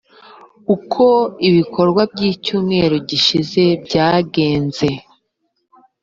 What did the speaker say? uko ibikorwa by icyumweru gishize byagenze